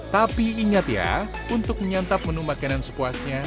tapi ingat ya untuk menyantap menu makanan sepuasnya